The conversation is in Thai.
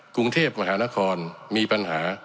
กรุงเทพมหานครมีปัญหา